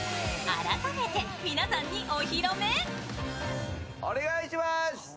改めて皆さんにお披露目。